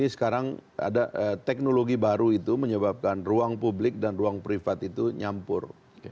sekarang ada teknologi baru itu menyebabkan ruang publik dan ruang privat itu nyampur